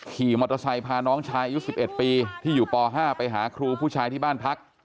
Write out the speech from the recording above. ขี่มอเตอร์ไซค์พาน้องชายอายุ๑๑ปีที่อยู่ป๕ไปหาครูผู้ชายที่บ้านพัก